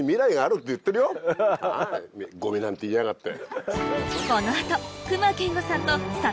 ゴミなんて言いやがって。